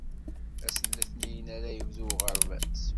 Ass n letniyen ara yebdu uɣerbaz.